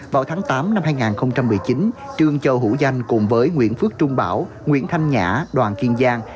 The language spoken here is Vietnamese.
vào tháng tám năm hai nghìn một mươi chín trương châu hữu danh cùng với nguyễn phước trung bảo nguyễn thanh nhã đoàn kiên giang